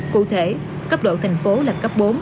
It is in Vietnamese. cụ thể cấp độ thành phố là cấp bốn